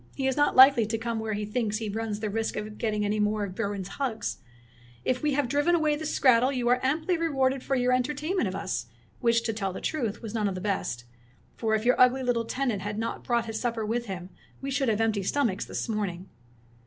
He is not likely to come where he thinks he runs the risk of getting any more of Bruin's hugs. If we have driven away the skrattel you are amply rewarded for your entertain ment of us, which, to tell the truth, was none 27 Fairy Tale Bears of the best; for if your ugly little tenant had not brought his supper with him we should have empty stomachs this morning."